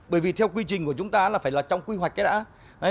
bởi vì theo quy trình của chúng ta là phải là trong quy hoạch cái đã